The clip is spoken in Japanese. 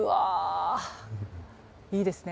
いいですね。